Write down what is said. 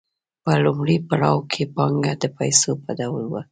په لومړي پړاو کې پانګه د پیسو په ډول وه